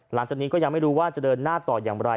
หลังจากนี้ก็ยังไม่รู้ว่าจะเดินหน้าต่ออย่างไร